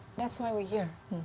itulah kenapa kita di sini